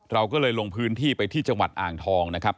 เราก็เลยลงพื้นที่ไปที่จังหวัดอ่างทองนะครับ